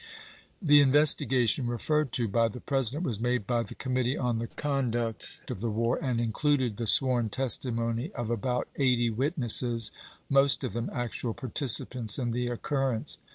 The investigation referred to by the President was made by the Committee on the Conduct of the RETALIATION 479 War, and included the sworn testimony of about chap.xxi. eighty witnesses, most of them actual participants in the occurrence.